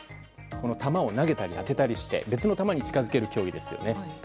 球を投げたり当てたりして別の球に近づける競技ですよね。